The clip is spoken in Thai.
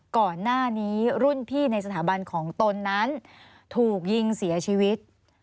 ก่อนหน้านี้รุ่นพี่ในสถาบันของตนนั้นถูกยิงเสียชีวิต